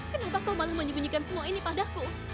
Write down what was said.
kenapa kau malah menyembunyikan semua ini padaku